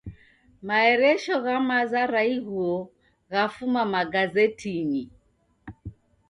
Maeresho gha maza ra ighuo ghafuma magazetinyi